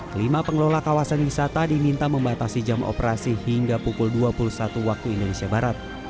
kelima pengelola kawasan wisata diminta membatasi jam operasi hingga pukul dua puluh satu waktu indonesia barat